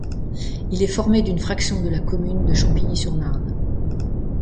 Il est formé d'une fraction de la commune de Champigny-sur-Marne.